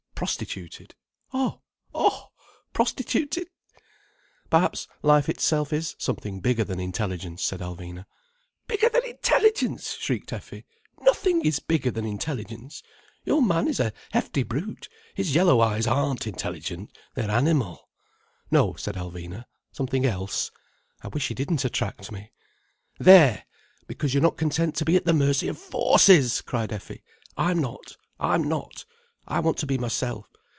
Prostituted. Oh—oh!!—prostituted—" "Perhaps life itself is something bigger than intelligence," said Alvina. "Bigger than intelligence!" shrieked Effie. "Nothing is bigger than intelligence. Your man is a hefty brute. His yellow eyes aren't intelligent. They're animal—" "No," said Alvina. "Something else. I wish he didn't attract me—" "There! Because you're not content to be at the mercy of Forces!" cried Effie. "I'm not. I'm not. I want to be myself.